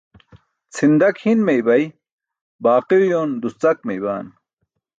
Cʰindak hin meeybay, baaqi uyoon duscak meeybaan.